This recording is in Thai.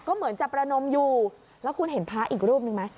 ก็เหมือนจะประนมอยู่แล้วคุณเห็นพระอีกรูปหนึ่งไหม